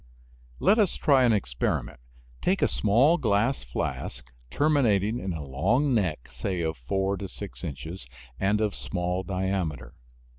Let us try an experiment. Take a small glass flask, terminating in a long neck, say of four to six inches, and of small diameter.